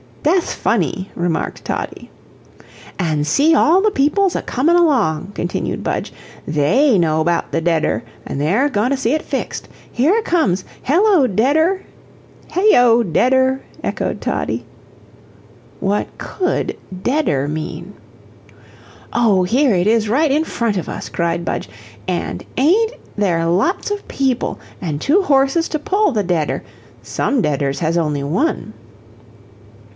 "Dasth funny," remarked Toddie. "An' see all the peoples a comin' along," continued Budge, "THEY know 'bout the deader, an' they're goin' to see it fixed. Here it comes. Hello, deader!" "Hay oh, deader," echoed Toddie. What COULD deader mean? "Oh, here it is right in front of us," cried Budge, "and AIN'T there lots of people? An' two horses to pull the deader SOME deaders has only one."